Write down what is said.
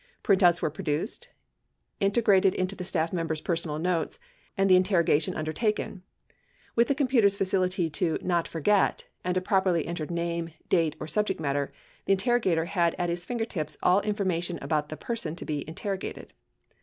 Printouts were produced, inte grated into the staff members' personal notes, and the interrogation undertaken. With the computer's facility to "not forget" and a properly entered name, date, or subject matter, the interrogator had at his fingertips all information about the person to he interrogated.